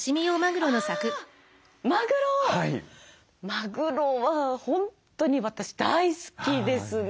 マグロは本当に私大好きですね。